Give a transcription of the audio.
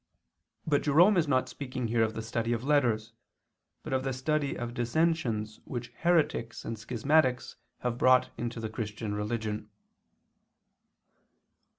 But Jerome is not speaking here of the study of letters, but of the study of dissensions which heretics and schismatics have brought into the Christian religion.